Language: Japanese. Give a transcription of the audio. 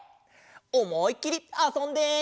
おもいっきりあそんで。